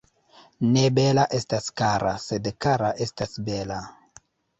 Ne bela estas kara, sed kara estas bela.